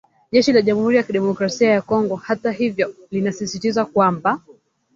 Jeshi la Jamuhuri ya Kidemokrasia ya Kongo hata hivyo linasisitiza kwamba